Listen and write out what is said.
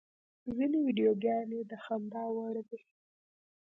ځینې ویډیوګانې د خندا وړ دي.